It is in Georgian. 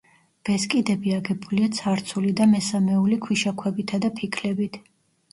ბესკიდები აგებულია ცარცული და მესამეული ქვიშაქვებითა და ფიქლებით.